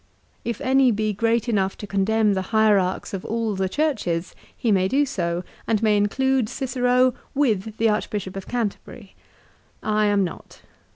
If any be great enough to condemn the hierarchs of all the churches he may do so, and may include Cicero with the Archbishop of Canterbury. I am not.